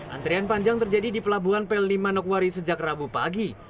antrian panjang terjadi di pelabuhan pellima nogwari sejak rabu pagi